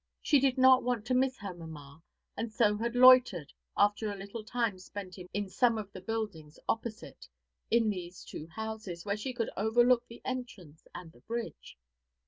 She did not want to miss her "mamma," and so had loitered, after a little time spent in some of the buildings opposite, in these two houses, where she could overlook the entrance and the bridge.